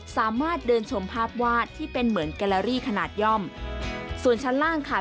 สามารถเดินชมภาพวาดที่เป็นเหมือนแกลลารี่ขนาดย่อมส่วนชั้นล่างค่ะ